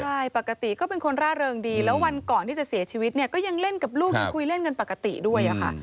ใช่ปกติก็เป็นคนร่าเริงดีแล้ววันก่อนที่จะเสียชีวิตเนี่ยก็ยังเล่นกับลูกยังคุยเล่นกันปกติด้วยค่ะ